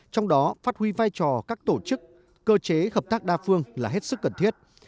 trong đó phát huy vai trò các tổ chức cơ chế hợp tác đa phương là hết sức cần thiết